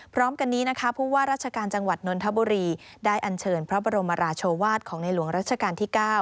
พร้อมกันนี้นะคะผู้ว่าราชการจังหวัดนนทบุรีได้อันเชิญพระบรมราชวาสของในหลวงรัชกาลที่๙